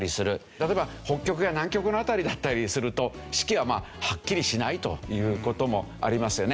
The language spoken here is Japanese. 例えば北極や南極の辺りだったりすると四季はまあはっきりしないという事もありますよね。